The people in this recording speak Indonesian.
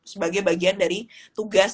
sebagai bagian dari tugas